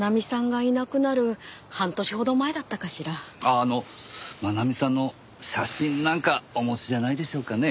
あの茉奈美さんの写真なんかお持ちじゃないでしょうかね？